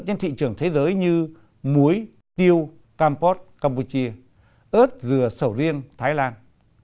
trên thị trường thế giới như muối tiêu cam pot cam bùi chia ớt dừa sầu riêng thái lang